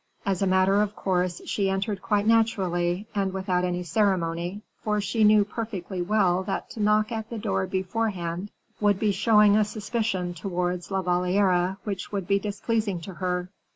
As a matter of course she entered quite naturally, and without any ceremony, for she knew perfectly well that to knock at the door beforehand would be showing a suspicion towards La Valliere which would be displeasing to her.